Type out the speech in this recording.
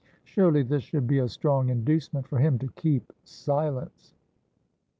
Surely, this should be a strong inducement for him to keep silence."